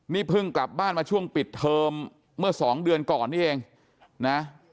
นี่เพิ่งกลับบ้านมาช่วงปิดเทอมเมื่อสองเดือนก่อนนี่เองนะ